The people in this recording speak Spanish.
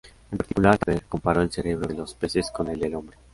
En particular, Camper comparó el cerebro de los peces con el del hombre.